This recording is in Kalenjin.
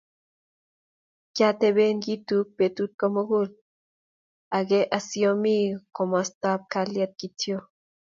kioteben kitook betut komugul age asiomii komostab kalyet kityo